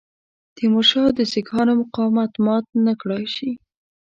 تیمورشاه د سیکهانو مقاومت مات نه کړای شي.